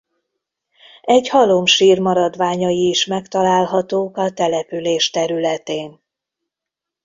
Egy halomsír maradványai is megtalálhatók a település területén.